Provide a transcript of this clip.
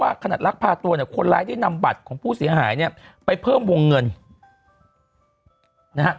ว่าขณะลักษณะตัวและคนร้ายเรียนำบัตรของผู้เสียหายเนี่ยไปเพิ่มวงเงิน